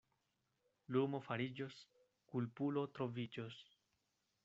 Lumo fariĝos, kulpulo troviĝos.